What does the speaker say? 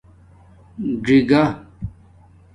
ژِگہ